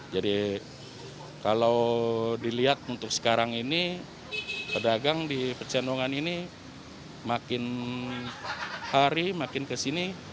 jadi kalau dilihat untuk sekarang ini pedagang di pecenongan ini makin hari makin kesini